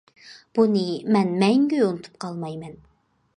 بۇنى مەن مەڭگۈ ئۇنتۇپ قالمايمەن.